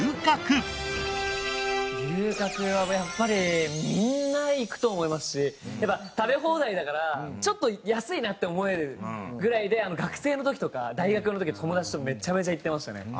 牛角はやっぱりみんな行くと思いますしやっぱ食べ放題だからちょっと安いなって思えるぐらいで学生の時とか大学の時友達とめちゃめちゃ行ってましたね。